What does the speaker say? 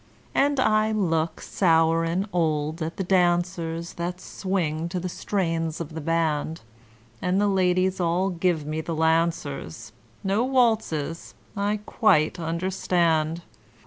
And I look, sour and old, at the dancers That swing to the strains of the band, And the ladies all give me the Lancers, No waltzes I quite understand.